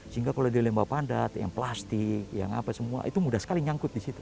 sehingga kalau di lembah padat yang plastik yang apa semua itu mudah sekali nyangkut di situ